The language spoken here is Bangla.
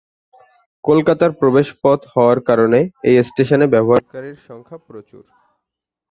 কলকাতার প্রবেশপথ হওয়ার কারণে এই স্টেশনে ব্যবহারকারীর সংখ্যা প্রচুর।